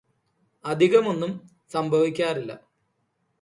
അധികമൊന്നും സംഭവിക്കാറില്ല